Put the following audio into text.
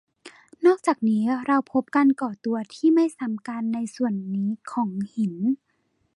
นอกจากนี้เราพบการก่อตัวที่ไม่ซ้ำกันในส่วนนี้ของหิน